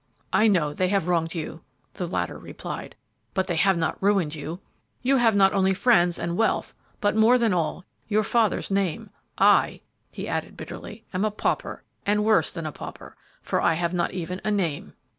"I know they have wronged you," the latter replied; "but they have not ruined you! You have not only friends and wealth, but, more than all, your father's name. I," he added bitterly, "am a pauper, and worse than a pauper, for I have not even a name!"